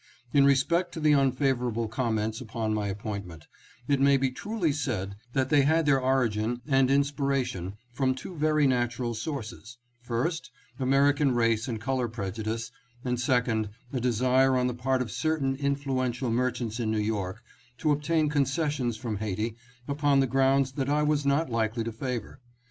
In respect to the unfa vorable comments upon my appointment, it may be truly said that they had their origin and inspiration from two very natural sources : first, American race and color prejudice, and second, a desire on the part of certain influential merchants in New York to obtain concessions from Haiti upon grounds that I was not likely to favor.